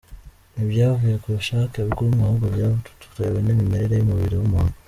Ntibyavuye ku bushake bw’umwe ahubwo byatewe n’imimerere y’umubiri w’umuntu.